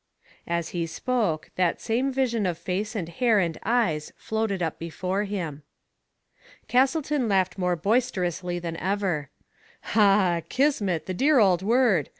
As he spoke that same vision of face and hair and eyes floated up before him. Castleton laughed more boisterously than ever. "Ah! Kismet, the dear old word.